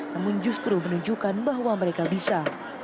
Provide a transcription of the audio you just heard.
namun justru menunjukkan bahwa mereka bisa